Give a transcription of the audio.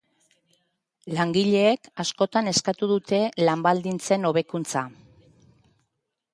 Langileek askotan eskatu dute lan baldintzen hobekuntza.